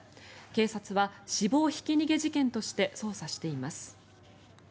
警察は死亡ひき逃げ事件として捜査しています。